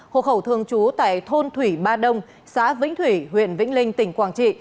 hộ khẩu thường trú tại thôn thủy ba đông xã vĩnh thủy huyện vĩnh linh tỉnh quảng trị